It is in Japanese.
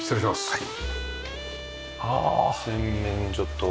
はい。